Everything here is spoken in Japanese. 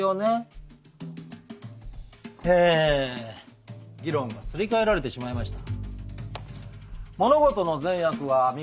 え議論がすり替えられてしまいました。